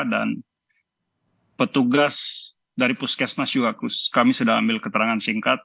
dan petugas dari puskesmas juga kami sudah ambil keterangan singkat